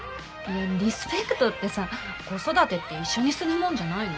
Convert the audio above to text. リスペクトってさ子育てって一緒にするもんじゃないの？